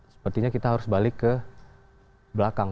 sepertinya kita harus balik ke belakang